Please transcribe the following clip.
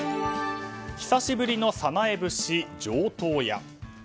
久しぶりの早苗節、上等や！